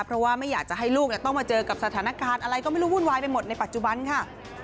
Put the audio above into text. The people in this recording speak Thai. เพราะว่าไม่อยากจะให้ลูกต้องมาเจอกับสถานการณ์อะไรก็ไม่รู้วุ่นวายไปหมดในปัจจุบันค่ะ